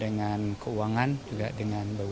dengan keuangan juga dengan